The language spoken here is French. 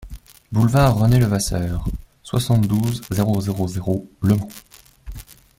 Boulevard René Levasseur, soixante-douze, zéro zéro zéro Le Mans